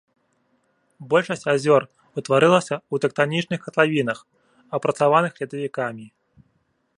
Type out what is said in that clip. Большасць азёр утварылася ў тэктанічных катлавінах, апрацаваных ледавікамі.